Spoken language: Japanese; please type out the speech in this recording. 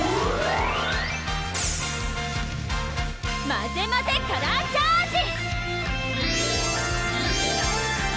まぜまぜカラーチャージ！